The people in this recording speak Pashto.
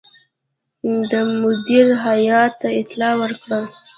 ده مدیره هیات ته اطلاع ورکړه.